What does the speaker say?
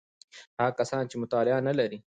هغه کسان چې مطالعه نلري: